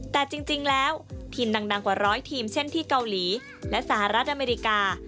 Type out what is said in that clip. แต่จริงแล้วทีมดังกว่าร้อยทีมเช่นที่เกาหลีและสหรัฐอเมริกา